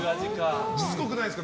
しつこくないですか？